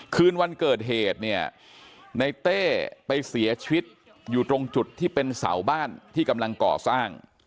คืนวันเกิดเหตุเนี่ยในเต้ไปเสียชีวิตอยู่ตรงจุดที่เป็นเสาบ้านที่กำลังก่อสร้าง